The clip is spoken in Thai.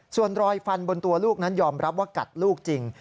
ส่วนรอยฟันบนตัวลูกนั้นยอมรับว่ากัดลูกจริง